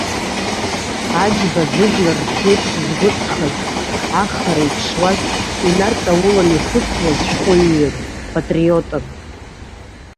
Аџьба зыжәлар рԥеиԥш згәыҵхаз, ахара иԥшуаз, инарҵаулан ихәыцуаз шәҟәыҩҩын, патриотын.